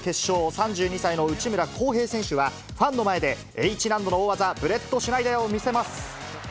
３２歳の内村航平選手は、ファンの前でＨ難度の大技、ブレットシュナイダーを見せます。